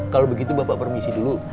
kalau begitu bapak permisi dulu